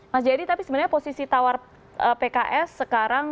mas jayadi tapi sebenarnya posisi tawar pks sekarang